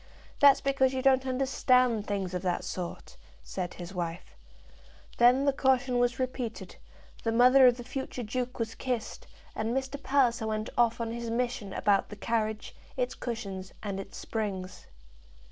"That's because you don't understand things of that sort," said his wife. Then the caution was repeated, the mother of the future duke was kissed, and Mr. Palliser went off on his mission about the carriage, its cushions, and its springs.